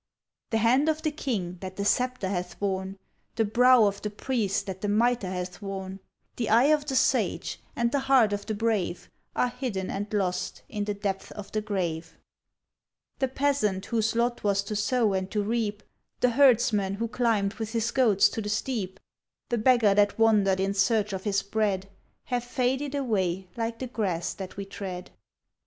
The hand of the king that the sceptre hath borne, The brow of the priest that the mitre hath worn, The eye of the sage, and the heart of the brave, Are hidden and lost in the depths of the grave. The peasant whose lot was to sow and to reap, The herdsman who climbed with his goats to the steep, The beggar that wandered in search of his bread, Have faded away like the grass that we tread.